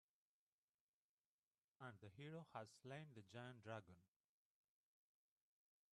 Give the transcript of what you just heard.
And the hero has slain the giant dragon.